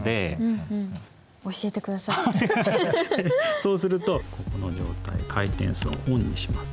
そうするとここの状態回転数をオンにします。